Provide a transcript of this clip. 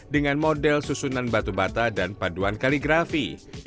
dengan model susunan batu bata dan paduan kaligrafi